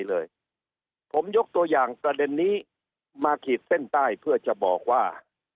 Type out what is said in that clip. เลยผมยกตัวอย่างประเด็นนี้มาขีดเส้นใต้เพื่อจะบอกว่า